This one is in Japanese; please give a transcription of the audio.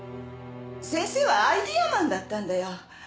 先生はアイデアマンだったんだよ。